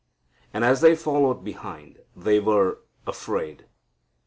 And as they followed behind, they were "afraid."